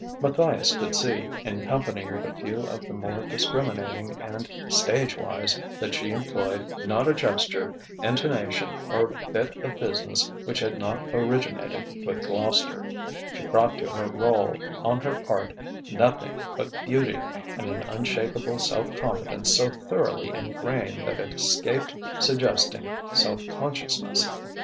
Matthias could see, in company with a few of the more discriminating and stage wise, that she employed not a gesture, intonation or bit of business which had not originated with Gloucester; she brought to her rôle on her part nothing but beauty and an unshakable self confidence so thoroughly ingrained that it escaped suggesting self consciousness.